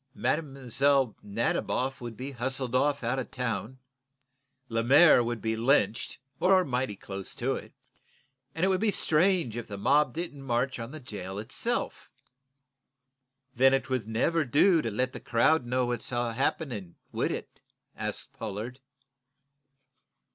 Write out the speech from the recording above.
Mlle. Nadiboff would be hustled off out of town, Lemaire would be lynched, or mighty close to it, and it would be strange if the mob didn't march on the jail itself." "Then it would never do to let the crowd know all that's happening, would it?" asked Pollard.